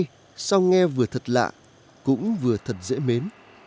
đây sao nghe vừa thật lạ cũng vừa thật dễ mến